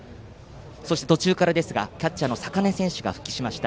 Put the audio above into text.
途中からですがキャッチャーの坂根選手が復帰しました。